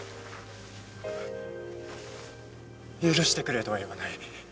許してくれとは言わない。